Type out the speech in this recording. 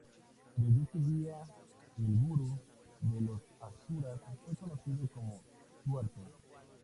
Desde ese día, el gurú de los asuras fue conocido como tuerto.